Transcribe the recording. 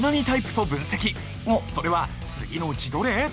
それは次のうちどれ？